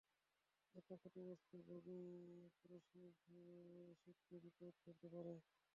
একটা ক্ষতিগ্রস্ত বগি পুরো শিপকে বিপদ ফেলতে পারে!